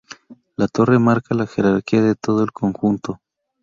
La torre marca la jerarquía de todo el conjunto.